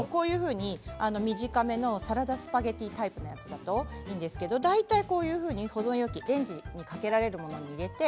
短めのサラダスパゲッティみたいなタイプだといいですけど保存容器レンジにかけられるものに入れて